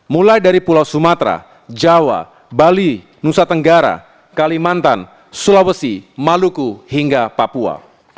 mulai dari pulau sumatera jawa bali nusa tenggara kalimantan sulawesi maluku hingga papua